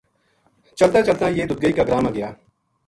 چلتاں چلتاں یہ ددگئی کا گراں ما گیا